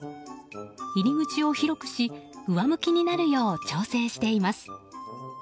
入り口を広くし上向きになるよう調整しています。